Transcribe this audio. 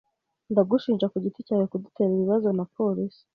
Ndagushinja kugiti cyawe kudutera ibibazo na polisi.